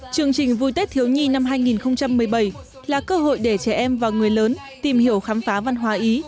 chương trình vui tết thiếu nhi năm hai nghìn một mươi bảy là cơ hội để trẻ em và người lớn tìm hiểu khám phá văn hóa ý